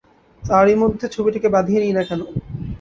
তারই মধ্যে ছবিটিকে বাঁধিয়ে নিই নে কেন?